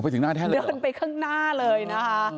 เดินไปข้างหน้าเลยนะคะ